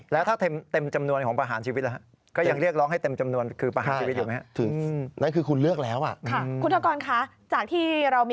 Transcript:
แล้วถ้าเต็มจำนวนของประหารชีวิตแล้ว